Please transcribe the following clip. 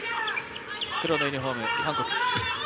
黒のユニフォーム、韓国。